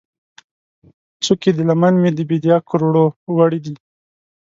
څوکې د لمن مې، د بیدیا کروړو ، وړې دي